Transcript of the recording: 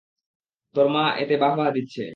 তোর মা এতে বাহ্ বাহ্ দিচ্ছে।